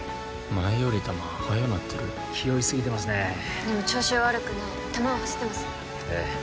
前より球速なってる気負いすぎてますねでも調子は悪くない球は走ってますええ